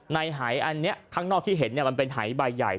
ในหายอันนี้ข้างนอกที่เห็นมันเป็นหายใบใหญ่